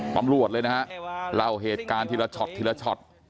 ตำรวจเลยนะฮะเล่าเหตุการณ์ทีละช็อตทีละช็อต